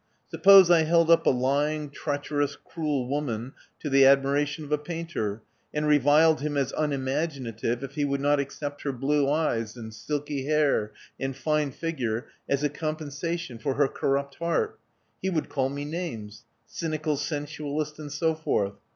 Suppose I held up a lying, treacher ous, cruel woman to the admiration of a painter, and reviled him as unimaginative if he would not accept her blue eyes, and silky hair, and fine figure as a com pensation for her corrupt heart, he would call me names — cynical sensualist, and so forth.